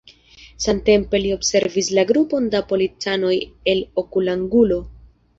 Samtempe li observis la grupon da policanoj el okulangulo.